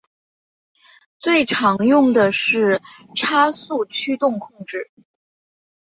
最常用的是差速驱动控制。